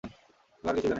আমি তার কিছুই জানি না।